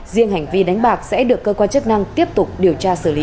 riêng hành vi đánh bạc sẽ được cơ quan chức năng tiếp tục điều tra xử lý